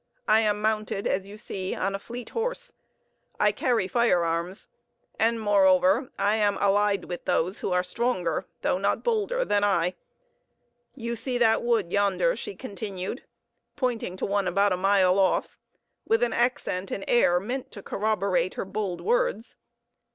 I am mounted, as you see, on a fleet horse; I carry fire arms; and, moreover, I am allied with those who are stronger, though not bolder, than I. You see that wood, yonder?" she continued, pointing to one about a mile off, with an accent and air meant to corroborate her bold words.